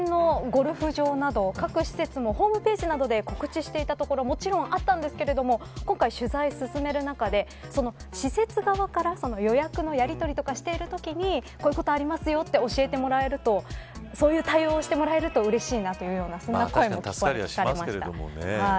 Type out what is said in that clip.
周辺のゴルフ場など各施設もホームページなどで告知していたところはもちろんあったんですけども今回、取材を進める中で施設側から、予約のやりとりとかしているときにこういうことありますよと教えてもらえるとそういう対応をしてもらえるとうれしいという声もありました。